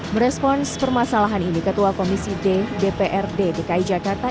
merespons permasalahan ini ketua komisi d dprd dki jakarta